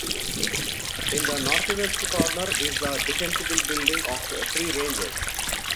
In the northwest corner is a defensible building of three ranges.